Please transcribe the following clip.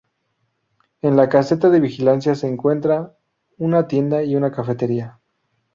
En la caseta de vigilancia se encuentran una tienda y una cafetería.